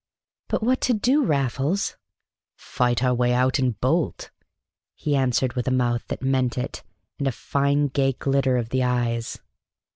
"But what to do, Raffles?" "Fight our way out and bolt!" he answered, with a mouth that meant it, and a fine gay glitter of the eyes.